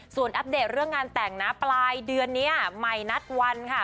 ส่วนอัปเดตเรื่องงานแต่งนะปลายเดือนนี้ใหม่นัดวันค่ะ